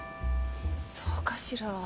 そうかしら。